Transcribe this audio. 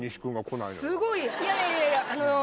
いやいやいや。